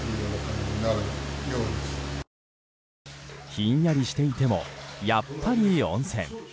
ひんやりしていてもやっぱり温泉。